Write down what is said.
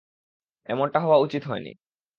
এমনটা হওয়া উচিত হয়নি।